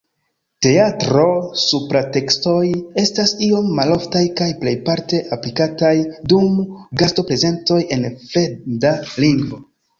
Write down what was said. Teatro-supratekstoj estas iom maloftaj kaj plejparte aplikataj dum gasto-prezentoj en fremda lingvo.